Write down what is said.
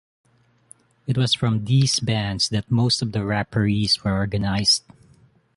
It was from these bands that most of the Rapparees were organised.